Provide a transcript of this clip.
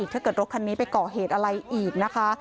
ถ้าเกิดรถคันนี้ไปก่อเหตุอะไรอีกนะคะ